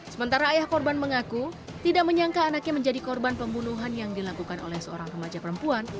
sementara ayah korban mengaku tidak menyangka anaknya menjadi korban pembunuhan yang dilakukan oleh seorang remaja perempuan